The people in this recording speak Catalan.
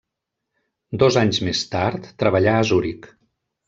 Dos anys més tard, treballà a Zuric.